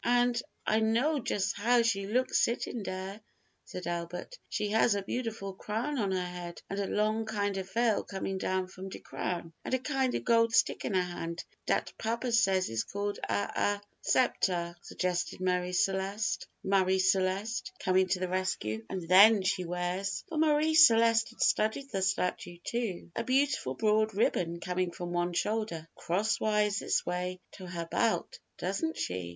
"And and I know jus' how she looks sitting dere," said Albert; "she has a beautiful crown on her head and a long kind of veil coming down from de crown, and a kind of gold stick in her hand dat papa says is called a a " "Sceptre," suggested Marie Celeste, coming to the rescue; "and then she wears" for Marie Celeste had studied the statue too "a beautiful broad ribbon coming from one shoulder, crosswise this way to her belt, doesn't she?"